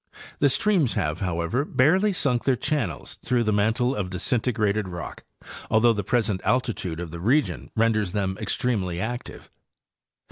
The streams: have, however, barely sunk their channels through the mantle of disintegrated rock, although the present altitude of the region renders them extremely active.